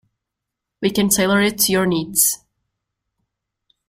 We can tailor it to your needs.